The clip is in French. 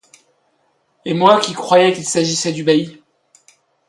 Et moi qui croyais qu’il s’agissait du bailli !